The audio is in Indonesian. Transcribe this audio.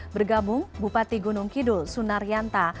bergabung bupati gunung kidul sunaryanta